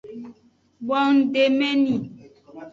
Bondemeni.